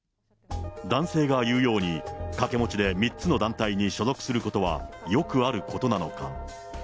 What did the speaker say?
男性が言うように、掛け持ちで３つの団体に所属することはよくあることなのか。